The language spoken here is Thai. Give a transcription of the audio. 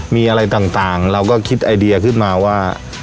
มีอะไรต่างเราก็คิดไอเดียขึ้นมาว่า